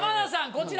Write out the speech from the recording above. こちら！